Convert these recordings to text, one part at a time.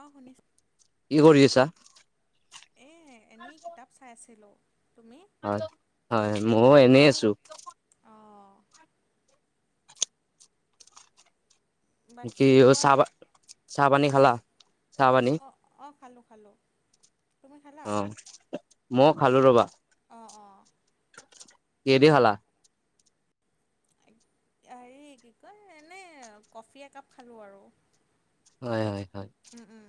অ শুনিছো কি কৰি আছা? এই এনেই কিতাপ চাই আছিলো তুমি হয় হয় মইও এনেই আছো। অ কি বাকী কোৱা চাহ পা চাহ পানী হা খালা? চাহ পানী অ অ খালো খালো অ মইও খালো ৰবা অ অ কিহেদি খালা হেৰি কি কয় এনেই কফি একাপ খালো আৰু হয় হয় হয় উম উম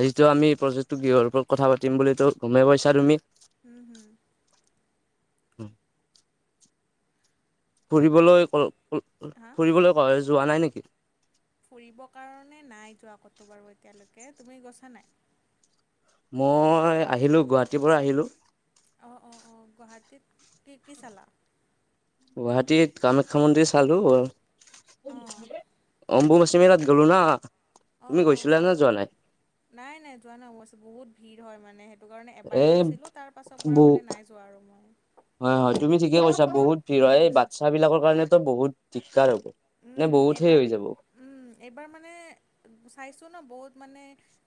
আজিটো আমি প্ৰজেক্টো গৃহৰ ওপৰত কথা পাতিম বুলিতো গমেই পাইছা তুমি উম হুম হম বাকী ফুৰিবলৈ ক ক হা ফুৰিবলৈ কলো যোৱা নাই নেকি? ফুৰিবৰ কাৰণে নাই যোৱা ক'তো বাৰু এতিয়ালৈকে তুমি গৈছা নাই মই আহিলো গুৱাহাটীৰ পৰা আহিলো। অ অ অ গুৱাহাটীত কি কি চালা? গুৱাহাটীত কামাখ্যা মন্দিৰ চালো অ অঁ অম্বুবাচি মেলাত গ'লো না অঁ তুমি অঁ গৈছিলা নে যোৱা নাই নাই নাই যোৱা নাই অৱশ্যে বহুত ভিৰ হয় মানে সে টো কাৰণে এ এবাৰেই গৈছিল তাৰ পাছৰ পৰা বহু মানে নাই যোৱা আৰু মই হয় হয় তুমি ঠিকেই কৈছা উম, বহুত ভিৰ হয় উম, বা ইচ্ছা বিলাকৰ কাৰণেতো বহুত দিগদাৰ হ'ব উম, নে উম, বহুত সেই এইবাৰ হৈ যাব উম এইবাৰ মানে চাইছো ন বহুত মানে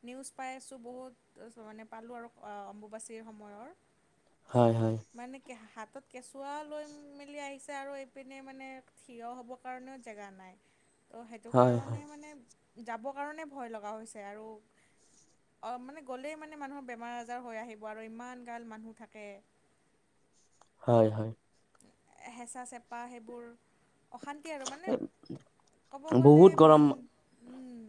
নিউজ পাই আছো বহুত তাছত মানে পালো আৰু অম্বুবাচীৰ সময়ৰ হয় হয় মানে কে হাতত কেঁচুৱাও লৈ মেলি আহিছে আৰু এইপিনে মানে থিয় হ'ব কাৰণেও জেগা নাই ত' সেইটো হয় হয় কাৰণে মানে যাবৰ কাৰণে ভয় লগা হৈছে আৰু অ মানে গ'লেই মানে মানুহৰ বেমাৰ আজাৰ হৈ আহিব আৰু ইমান গাল মানুহ থাকে [unintelligible] হয় হয় হেঁচা চেপা সেইবোৰ অশা ন্তি আৰু মানে ক'ব গ'লে বহুত মন গৰম উম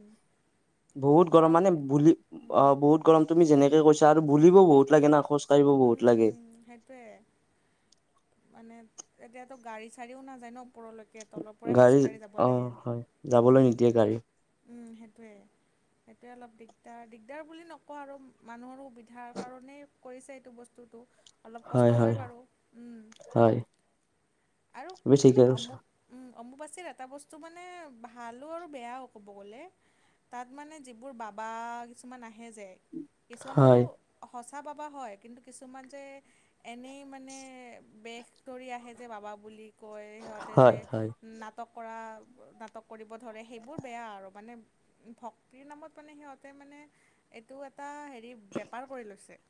বহুত গৰম গৰমটো মানে বুলি অ বহুত গৰম তুমি যেনেকে কৈছা আৰু বুলিবও বহুত লাগে না খোচ উম উম সেইটোৱে মানে এতিয়াতো গাড়ী চাড়ীও নাযায় ন ওপৰলৈকে তলৰ পৰাই গাড়ী খোজকাঢ়ি যাব অ লাগে হয় উম যাবলৈ নিদিয়ে গাড়ী উম সেইটোৱে সেইটোৱে অলপ দিগদাৰ দিগদাৰ বুলি নকও আৰু মানুহৰো সুবিধাৰ কাৰণেই কৰিছে এইটো বস্তুটো অলপ কষ্ট হয় বাৰু উম হয় আৰু তুমি ঠিকে মানে কৈছা অমুক উম অমুপাচীৰ এটা বস্তু মানে ভালো আৰু বেয়াও ক'ব গ'লে। তাত মানে যিবোৰ বাবা কিছুমান আহে যে, কিছুমান বাৰু হয় সঁচা বাবা হয়। কিন্তু কিছুমান যে, এনেই মানে বেশ কৰি আহে যে বাবা বুলি- কৈ সিহঁতে হয় যে- হয় নাটক কৰা নাটক কৰিব ধৰে সেইবোৰ বেয়া আৰু মানে- ভক্তিৰ নামত মানে সিহঁতে মানে, এইটো এটা হেৰি বেপাৰ কৰি লৈছে।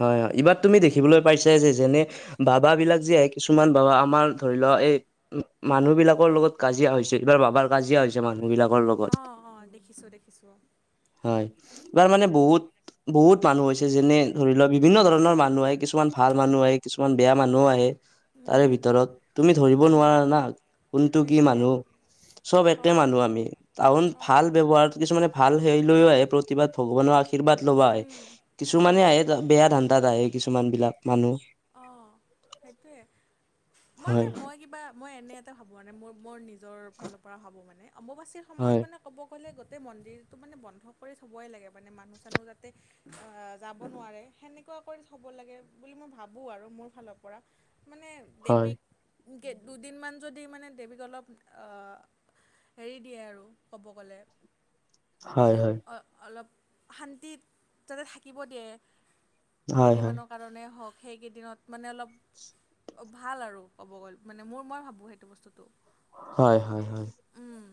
হয় হয় এইবাৰ তুমি দেখিবলৈ পাইছা যে যেনে- বাবা বিলাক যে আহে কিছুমান বাবা আমাৰ- ধৰি লোৱা, এই মানুহ বিলাকৰ লগত কাজিয়া হৈছে এইবাৰ বাবাৰ কাজিয়া হৈছে মানুহ বিলাকৰ অঁ লগত। অঁ দেখিছোঁ দেখিছোঁ অঁ- হয়, এইবাৰ মানে বহুত- বহুত মানুহ হৈছে যেনে ধৰি লওক বিভিন্ন ধৰণৰ মানুহ আহে কিছুমান ভাল মানুহ আহে কিছুমান বেয়া মানুহো আহে। তাৰে উম ভিতৰত তুমি ধৰিব উম নোৱাৰা না, কোনটো কি সেইটোৱে মানুহ। চব একে অঁ মানুহ আমি কাৰন অঁ ভাল ব্যৱহাৰত কিছুমানে ভাল। সেই লৈও আহে প্ৰতিবাদ ভগৱানৰ আশীৰ্বাদ লব আহে। উম উম কিছুমানে আহে বেয়া ধান্দাত আহে কিছুমান বিলাক মানুহ। অ', সেইটোৱে, মানে হয় মই কিবা মই এনে এটা ভাবো মানে মোৰ মোৰ নিজ- ৰ ফালৰ পৰা ভাবো মানে অম্বুবাচীৰ সময়ত হয়, মানে। ক'ব গ'লে গোটেই মন্দিৰটো মানে বন্ধ কৰি থ'বই লাগে মানে মানুহ চানুহ যাতে- অ' যাব নোৱাৰে সেনেকুৱা কৰি থব লাগে বুলি মই ভাবো- ভাবোঁ আৰু মোৰ ফালৰ পৰা মানে হয়, দেৱীক- দুদিনমান যদি মানে দেৱীক অলপ -অ'। হেৰি দিয়ে আৰু ক'ব গ'লে। হয় হয়। অলপ শান্তিত যাতে থাকিব দিয়ে, হয়, হয়, কেইদিনমানক- কাৰণেই হওক সেইকেইদিনত মানে অলপ- অ' ভাল আৰু ক'ব গ'লে মানে মোৰ মই ভাবোঁ সেইটো বস্তুটো। হয় হয়। উম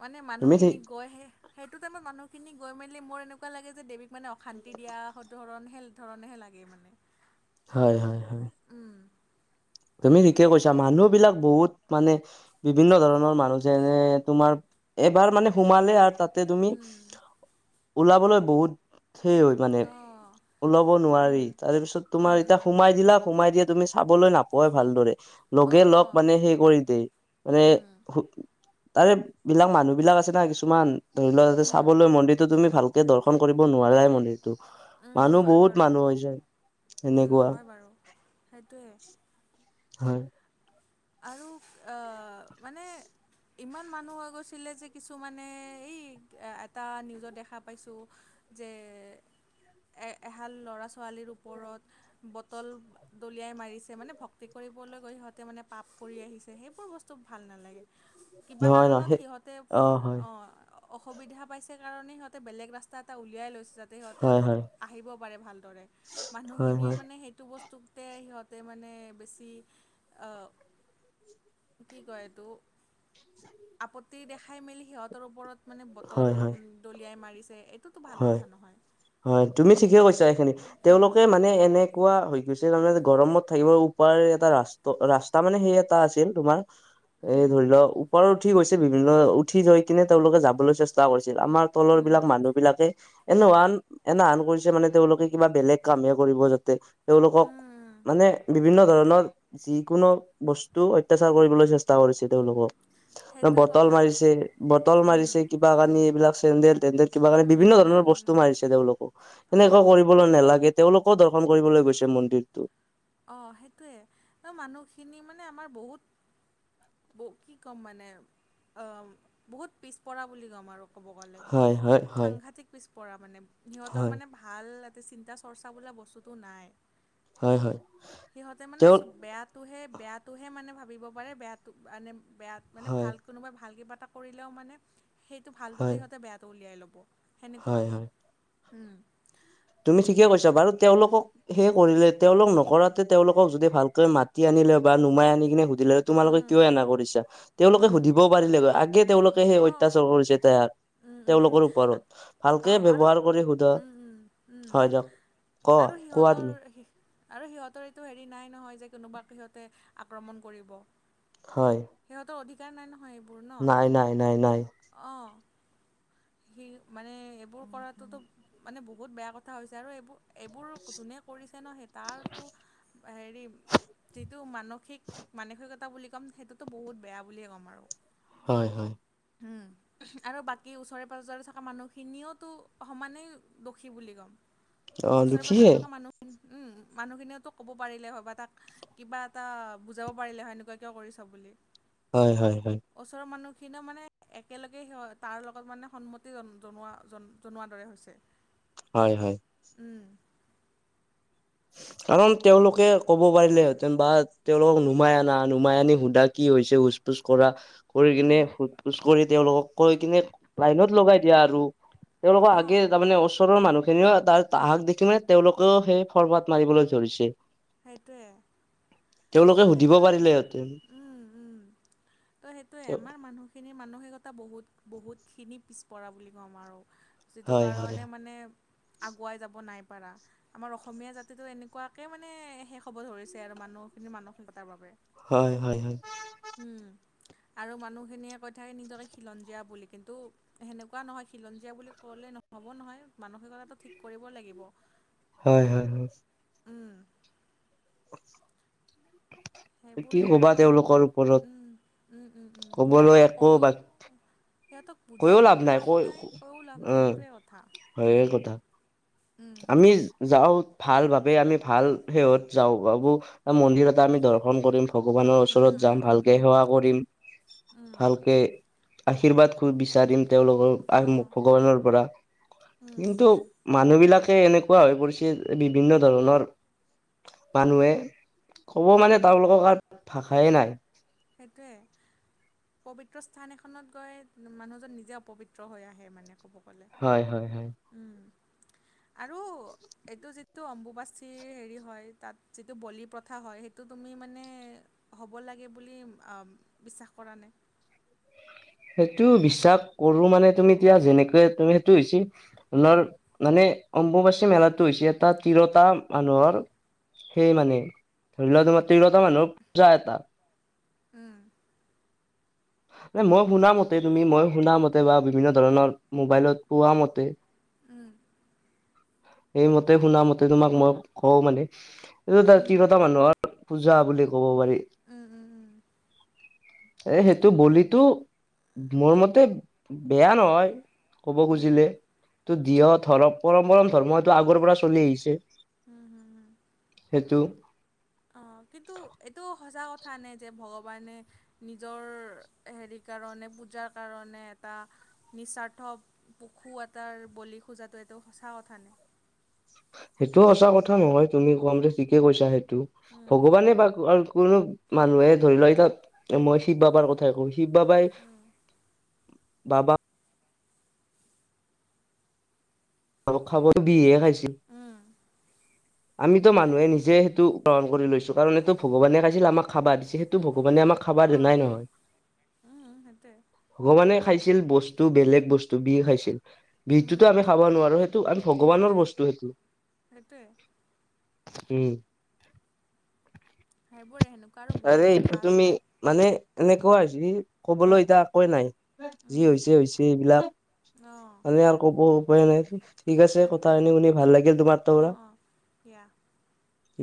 মানে তুমি ঠিক মানুহখিনিক গৈহে। সেইটো টাইমত মানুহখিনি গৈ মেলি মোৰ এনেকুৱা লাগে যে দেৱীক মানে অশান্তি দিয়া ধৰণ হেল- ধৰণহে লাগে মানে। হয় হয়। উম। তুমি ঠিকে কৈছা মানুহ বিলাক বহুত মানে। বিভিন্ন ধৰণৰ মানুহ যেনে -তোমাৰ এবাৰ মানে। সোমালে আৰু তাতে তুমি, উম ওলাবলৈ বহুত। সেই হয় মানে, অঁ ওলাব নোৱাৰি উম তাৰ পিছত উম তোমাৰ এতিয়া উম সোমাই দিলা সোমাই দিয়ে তুমি- চাবলৈ নাপোৱায় ভালদৰে অঁ লগে লগ, অঁ মানে সেই কৰি দেই উম মানে- তাৰে বিলাক মানুহ বিলাক আছে না কিছুমান। ধৰি লোৱা তাতে উম চাবলৈ মন্দিৰটো তুমি ভালকে দৰ্শন কৰিব নোৱাৰাই মন্দিৰটো। উম মানুহ হয় বহুত বাৰু মানুহ হৈছে- উম সেনেকুৱা। হয় বাৰু সেইটোৱে। হয়। আৰু অহ মানে। ইমান মানুহ হৈ গৈছিলে যে কিছুমানে এই এটা নিউজত দেখা পাইছোঁ। যে, এ এহাল ল'ৰা ছোৱালীৰ ওপৰত। বটল দলিয়াই মাৰিছে মানে ভক্তি কৰিবলৈ গৈ সিহঁতে মানে। পাপ কৰি আহিছে সেইবোৰ বস্তু ভাল নালাগে কিবা নহয় নহয় কাৰণত সেই সিহঁতে অ হয় অ'হ। অসুবিধা পাইছে কাৰণে সিহঁতে বেলেগ ৰাস্তা এটা উলিয়াই লৈছে। সিহঁতে হয় হয় আহিব পাৰে ভালদৰে হয় মানুহখিনিয়ে হয় মানে সেইটো বস্তু। তে সিহঁতে মানে বেছি অহ কি কয় এইটো আপত্তি দেখাই মেলি সিহঁতৰ ওপৰত। মানে বটল হয় হয় দলিয়াই মাৰিছে। এইটোতো ভাল হয় কথা নহয়। হয় তুমি ঠিকে কৈছা এইখিনি উম, তেওঁলোক। এই মানে এনেকুৱা হৈ গৈছে তাৰমানে গৰমত থাকিব উপায় এটা ৰাস্ত ৰাস্ত। তাৰ মানে সেই এটা আছিল তোমাৰ। এই উম, ধৰি লওঁক ওপৰত উঠি গৈছে বিভিন্ন উঠি যায় কিনে তেওঁলোকে যাবলৈ চেষ্টা। চেষ্টা কৰিছিল আমাৰ তলৰ উম, বিলাক মানুহ। এনেৱান এনে আন কৰিছে মানে তেওঁলোকে কিবা বেলেগ কামে কৰিব যাতে তেওঁলোকক উম, মানে বিভিন্ন ধৰণৰ যিকোনো বস্তু অত্যাচাৰ কৰিবলৈ চেষ্টা কৰিছে তেওঁলোকক অ সেইটোৱে বটল কথা। মাৰিছে বটল উম, মাৰিছে কিবা কানি এইবিলাক চেন্দেল তেন্দেল কিবা কাৰণে উম, বিভিন্ন উম, ধৰণৰ উম, বস্তু উম, মাৰিছে তেওঁলোক এনেকুৱা অ', কৰিবলৈ নালাগে তেওঁলোকো দৰ্শন কৰিবলৈ গৈছে মন্দিৰটো অহ সেইটোৱে ন মানুহখিনি মানে আমাৰ বহুত ব কি ক'ম মানে অহ বহুত পিছপৰা বুলি ক'ম আৰু কব গলে হয় হয় হয় সাংঘাটিক পিছপৰা মানে সিহঁতৰ হয় মানে ভা ভাল এতে চিন্তা চৰ্চা বোলা বস্তুটো নাই হয় হয়। সিহঁতে মানে তেওঁ চব বেয়াটোহে বেয়াটোহে মানে ভাবিব পাৰে বেয়াটো মানে বেয়া। মানে হয় ভাল কোনোবাই ভাল কিবা এটা কৰিলেও মানে সেইটো ভালটোতে হয় সিহঁতে বেয়াটো উলিয়াই ল'ব। সেনেকুৱা হয় হয় উম। তুমি ঠিকে কৈছা বাৰু তেওঁলোকক সেই। কৰিলে তেওঁলোক নকৰাতে তেওঁলোকক যদি ভালকৈ মাতি আনিলে বা নমাই আনি কিনে সুধিলে তোমালোকে উম, কিয় এনে কৰিছা তেওঁলোকে উম, সুধিবও পাৰিলেগৈ আগে তেওঁলোকে সেই অঁ, অত্যাচাৰ কৰিছে তাক উম, উম, উম, তেওঁলোকৰ ওপৰত ভালকে অঁ আৰু ব্যৱহাৰ কৰি সোধা উম, উম, উম হয় দিয়ক ক আৰু কোৱা সিহঁতৰ তুমি সে আৰু সিহঁতৰ এইটো হেৰি নাই নহয় যে কোনোবা সিহঁতে আক্ৰমণ কৰিব হয় সিহঁতৰ অধিক নাই নহয় এই নাই নাই নাই নাই অঁহ সি মানে এইবোৰ কৰাটোতো মানে বহুত বেয়া কথা হৈছে আৰু এইবোৰ এইবোৰ যোনে কৰিছে ন সেই তাৰতো এ হেৰি যিটো মানসিক মানসিকতা বুলি ক'ম সেইটো তো বহুত বেয়া বুলিয়ে ক'ম আৰু হয় হয় উম উহুআৰু বাকী ওচৰে পাজৰে থকা মানুহখিনিওতো সমানেই দোষী বুলি ক'ম অ ওচৰে পাজৰে দুখীয়ে থকা মানুহখিনি উম মানুহখিনিও তো ক'ব পাৰিলে হয় বা তাক কিবা এটা বুজাব পাৰিলে হয় এনেকুৱা কিয় কৰিছ বুলি হয় হয় হয়। ওচৰৰ মানুহখিনিয়ও মানে একেলগে স তাৰ লগত মানে সন্মতি জন জনোৱা জন জনোৱাৰ দৰে হৈছে। হয় হয়। উম। কাৰণ তেওঁলোকে ক ক'ব পাৰিলে হেঁতেন বা তেওঁলক নুমাই অনা নুমাই আনি সুধা কি হৈছে হোচ পোচ কৰা কৰি কিনে উম, সুধ-পোজ কৰি তেওঁলোকক কৈ কিনে লাইনত লগাই দিয়া আৰু। তেওঁলোকৰ আগে অ', তাৰমানে ওচৰৰ মানুহখিনিও তাৰ আহাক দেখি মানে তেওঁলোকেও সেই খৰ্বাত মাৰিবলৈ ধৰিছে। সেইটোৱে। তেওঁলোকে তই সুধিব সেইটোৱে পাৰিলেহেঁতেন উম উম, তই সেইটোৱে। আমাৰ মানুহ খিনিৰ মানসিকতা বহুত বহুতখিনি পিছপৰা বুলি ক'ম আৰু। যিটো হয় হয় কাৰণে মানে আগুৱাই যাব নাইপাৰা। আমাৰ অসমীয়া জাতিটো এনেকুৱাকে মানে শেষ হ'ব ধৰিছে আৰু মানুহখিনিৰ মানসিকতাৰ বাবে। হয় হয় হয়। উম আৰু মানুহখিনিয়ে কৈ থাকে নিজকে খিলঞ্জীয়া বুলি কিন্তু সেনেকুৱা নহয় খিলঞ্জীয়া বুলি ক'লে নহ'ব নহয়, মানসিকতাটো ঠিক কৰিব লাগিব। হয়-হয়-হয়। উম। কি সেইবোৰে আৰু কবা আমাৰ তেওঁলোকৰ ওপৰত বহুত উম উম উম উম কবলৈ সিহঁতক একো কৈ বাকী সিহঁতক বুজাও লাভ নাই কৈও লাভ নাই উম সেইটোৱে কথা। হয়ে কথা উম, আমি যাওঁ ভাল ভাবে আমি ভাল শেহত যাওঁ ভাবো মন্দিৰতে আমি দৰ্শন কৰিম ভগৱানৰ উম, ওচৰত যাম উম, উম, ভালকে উম, সেৱা কৰিম। উম, ভালকে আশীৰ্বাদ খ বিচাৰিম তেওঁলোকৰ আহ অ', ভগৱানৰ পৰা। উম, কিন্তু মানুহ বিলাকে এনেকুৱা হৈ পৰিছে বিভিন্ন ধৰণৰ মানুহে ক'ব মানে তেওঁলোকৰ কাত ভাষাই নাই। সেইটোৱে। পবিত্ৰ স্থান এখনত গৈ মানুহজন নিজে অপবিত্ৰ হৈ আহে মানে ক'ব গ'লে। হয় হয় হয়। উম আৰু এইটো যিটো অম্বুবাচিৰ হেৰি হয় তাত যিটো বলি প্ৰথা হয় সেইটো তুমি মানে হ'ব লাগে বুলি বিশ্বাস কৰা নে? সেইটো বিশ্বাস কৰো মানে তুমি এতিয়া যেনেকে তুমি হৈছে ধৰ মানে অম্বুবাচী মেলাটো হৈছে এটা তিৰতা মানুহৰ সেই মানে, ধৰি লোৱা তোমাৰ তিৰলতা মানুহৰ পূজা এটা। উম। মানে মই শুনা মতে তুমি, মই শুন মতে বা বিভিন্ন ধৰণৰ মোবাইলত পোৱা মতে, উম। সেইমতে শুনা মতে তোমাক মই কওঁ মানে এইটো উম, তিৰটা মানুহ আৰু পূজা বুলি ক'ব পাৰি। উম। উম, উম। এ সেইটো বলিটো মোৰ মতে বেয়া নহয় ক'ব উম, খুজিলে তটো দিহ ধৰ পৰম পৰম ধৰ্মটো আগৰ পৰা চলি আহিছে। হম হুম হুম। সেইটো। অ' কিন্তু এইটো সঁচা কথা নাই যে ভগৱানে। নিজৰ হেৰি কাৰণে পূজাৰ কাৰণে এটা। নিস্বাৰ্থ পশু এটাৰ বলি খোজাটো এইটো সঁচা কথা নেকি? সেইটো সঁচা কথা নহয় তুমি কম ঠিকে কৈছা সেইটো উম, ভগৱানে বা কোনো। মানুহে ধৰি লও এতিয়া মই শিৱ বাবাৰ কথাই কওঁ শিৱ বাবাই। উম, বাবা। খাব বিহে খাইছিল, উম, আমিতো সেইটোৱে মানুহে নিজে সেইটো। গ্ৰহণ কৰি লৈছো কাৰণ এইটো ভগৱানে কাইছিল আম খাবা দিছে সেইটো ভগৱানে আমাক। খাবৰ দিয়া অ', নাই নহয়। উম, সেইটোৱে। ভগৱানে খাইছিল বস্তু বেলেগ বস্তু বিষ খাইছিল বিষতটোতো উম, আমি খাব নোৱাৰো। টো আমি ভগৱানৰ সেইটোৱে, বস্তু সেইটোৱে সেইটোটো উম। সেইবোৰৰে এনেকুৱা আৰু আৰে বহুত এইটো কথা তুমি আছে। মানে এনেকুৱা হৈছে কবলৈ এতিয়া একে নাই যি হৈছে হৈছে এইবিলাক। অঁ। মানে আৰু ক'ব উপায় নাই ঠিক আছে কথা সেইটোৱে শুনি শুনি ভাল লাগিল তোমাৰ ত পৰা। অ', অ', দিয়া।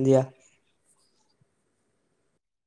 দিয়া।